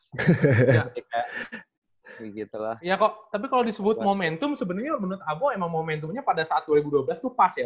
ya kok tapi kalau disebut momentum sebenarnya menurut aku emang momentumnya pada saat dua ribu dua belas tuh pas ya